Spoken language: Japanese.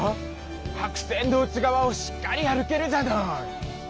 はくせんのうちがわをしっかりあるけるじゃない！